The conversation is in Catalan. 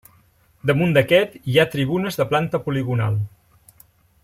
Damunt d'aquest hi ha tribunes de planta poligonal.